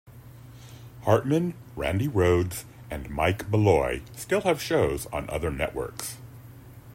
Hartmann, Randi Rhodes, and Mike Malloy still have shows on other networks.